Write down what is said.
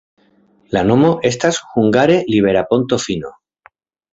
La nomo estas hungare libera-ponto-fino.